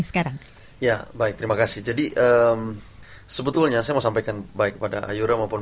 mari berjalan ke sion